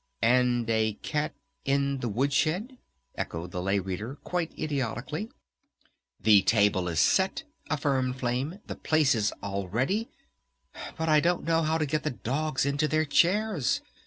"And a cat in the wood shed?" echoed the Lay Reader quite idiotically. "The table is set," affirmed Flame. "The places, all ready! But I don't know how to get the dogs into their chairs!